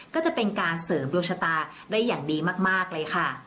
ก็จะเป็นการเสริมดวงชะตาได้อย่างดีมากเลยค่ะ